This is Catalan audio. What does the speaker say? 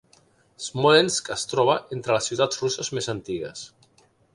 Smolensk es troba entre les ciutats russes més antigues.